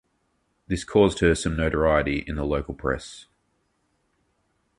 This caused her some notoriety in the local press.